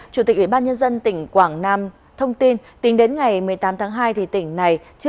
và tôi phải học được tiếng lạc